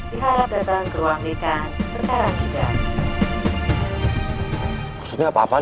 diharap datang ke ruang dekan sekarang juga